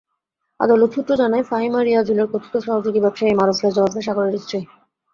আদালত সূত্র জানায়, ফাহিমা রিয়াজুলের কথিত সহযোগী ব্যবসায়ী মারুফ রেজা ওরফে সাগরের স্ত্রী।